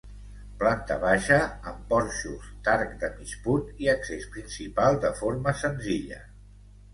Planta baixa amb porxos d'arc de mig punt i accés principal de forma senzilla.